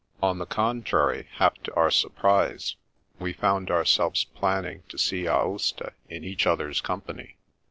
On the contrary, half to our surprise, we found ourselves planning to see Aosta in each other's company.